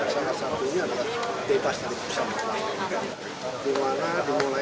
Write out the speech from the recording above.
kita bisa menyampaikan kepada bum juga